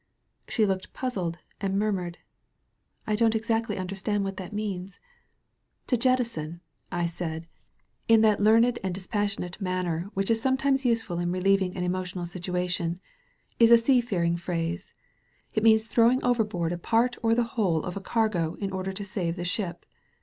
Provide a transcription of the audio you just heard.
She looked puzzled, and murmured; "I don't exactly understand what that means." "To jettison," I said, in that learned and dis 245 THE VALLEY OF VISION passionate maimer which is sometimes useful in relieving an emotional situation, is a seafaring phrase. It means throwing overboard a part or the whole of 'a cargo in order to save the ship.